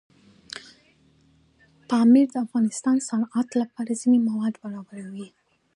پامیر د افغانستان د صنعت لپاره ځینې مواد برابروي.